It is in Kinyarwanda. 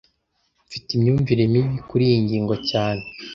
Mfite imyumvire mibi kuriyi ngingo cyane